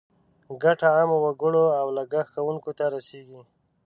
ګټه عامو وګړو او لګښت کوونکو ته رسیږي.